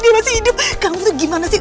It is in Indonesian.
ini masih hidup kamu tuh gimana sih